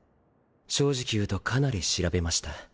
正直言うとかなり調べました。